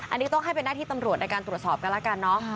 อันนี้ต้องให้เป็นหน้าที่ตำรวจในการตรวจสอบกันแล้วกันเนาะ